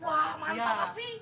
wah mantap pasti